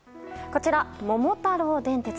こちら「桃太郎電鉄」。